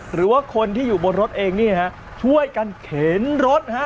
หรือว่าคนที่อยู่บนรถเองนี่ฮะช่วยกันเข็นรถฮะ